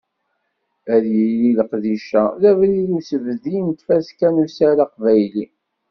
Ad yili leqdic-a d abrid i usbeddi n Tfaska n usaru aqbayli.